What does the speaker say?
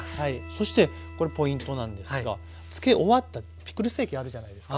そしてこれポイントなんですが漬け終わったピクルス液あるじゃないですか。